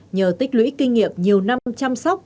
nhờ tích lũy kinh nghiệm nhiều năm chăm sóc